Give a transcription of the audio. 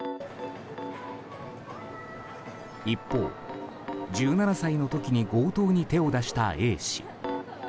一方、１７歳の時に強盗に手を出したＡ氏。